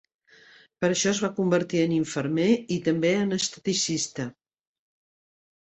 Per això es va convertir en infermer i també en esteticista.